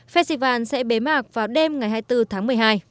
festival sẽ bế mạc vào đêm ngày hai mươi bốn tháng một mươi hai